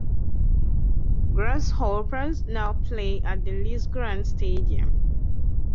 Grasshoppers now play at the Letzigrund Stadium.